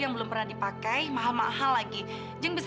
ya perut aku sakit banget